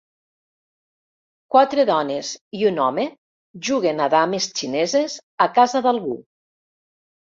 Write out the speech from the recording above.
Quatre dones i un home juguen a dames xineses a casa d'algú.